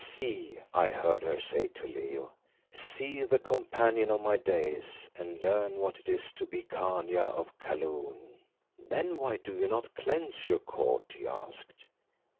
"See," I heard her say to Leo, "see the companion of my days, and learn what it is to be Khania of Kaloon." "Then why do you not cleanse your court?" he asked.